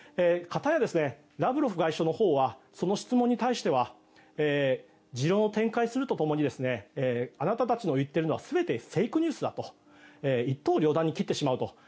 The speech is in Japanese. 片やラブロフ外相のほうはその質問に対しては持論を展開するとともにあなたたちの言っているのは全てフェイクニュースだと一刀両断に切ってしまうと。